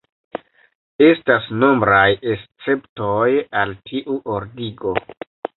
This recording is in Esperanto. Estas nombraj esceptoj al tiu ordigo.